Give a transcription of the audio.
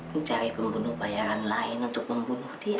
mencari pembunuh bayaran lain untuk membunuh dia